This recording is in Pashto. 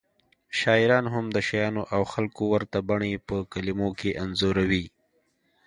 شاعران هم د شیانو او خلکو ورته بڼې په کلمو کې انځوروي